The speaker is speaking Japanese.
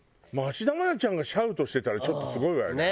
芦田愛菜ちゃんがシャウトしてたらちょっとすごいわよね。